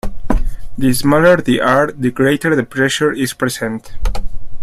The smaller the R, the greater the pressure is present.